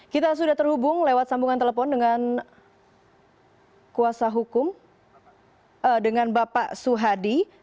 kita sudah terhubung lewat sambungan telepon dengan kuasa hukum dengan bapak suhadi